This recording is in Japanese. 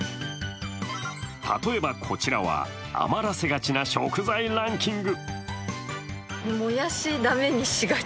例えばこちらは余らせがちな食材ランキング。